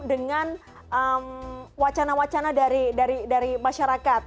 dengan wacana wacana dari masyarakat